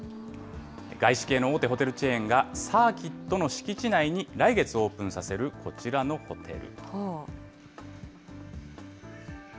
外資系の大手ホテルチェーンがサーキットの敷地内に来月オープンさせるこちらのホテル。